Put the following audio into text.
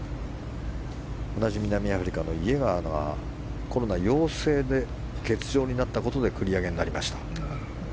同じ南アフリカのイエーガーはコロナ陽性で欠場になったことで繰り上げになりました。